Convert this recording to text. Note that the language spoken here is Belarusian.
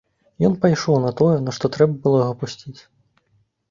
Ён пайшоў на тое, на што трэба было яго пусціць.